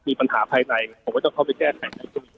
มีปัญหาภายในผมว่าต้องเข้าไปแก้ไข